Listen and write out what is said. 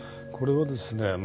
これはですね